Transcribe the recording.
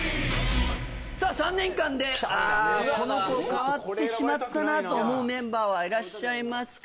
さあ３年間で「あこの子変わってしまったな」と思うメンバーはいらっしゃいますか？